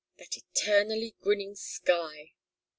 That eternally grinning sky!